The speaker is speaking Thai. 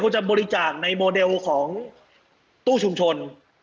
คุณจะบริจาคในโมเดลของตู้ชุมชน